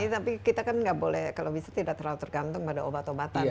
tapi kita kan nggak boleh kalau bisa tidak terlalu tergantung pada obat obatan